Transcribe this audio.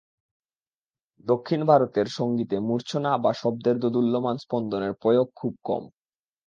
দক্ষিণ ভারতের সঙ্গীতে মূর্চ্ছনা বা শব্দের দোদুল্যমান স্পন্দনের প্রয়োগ খুব কম।